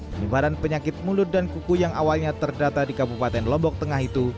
penyebaran penyakit mulut dan kuku yang awalnya terdata di kabupaten lombok tengah itu